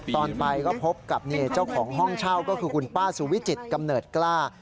ตอนไปก็พบกับเจ้าของห้องเช่าก็คือคุณป้าสุวิจิตกำเนิดกล้า